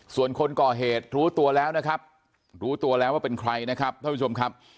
ส่วนคนก่อเหตุรู้ตัวแล้วนะครับรู้ตัวแล้วว่าเป็นใครนะครับท่านผู้ชมครับ